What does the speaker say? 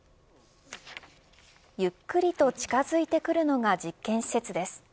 ゆっくりと近づいてくるのが実験施設です。